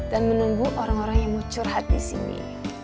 dan menunggu orang orang yang muncul hati di sini